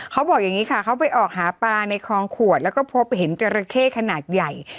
เขาบอกอย่างนี้ค่ะเขาไปออกหาปลาในคลองขวดแล้วก็พบเห็นจราเข้ขนาดใหญ่